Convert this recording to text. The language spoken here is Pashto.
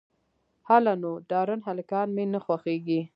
_هله نو، ډارن هلکان مې نه خوښېږي.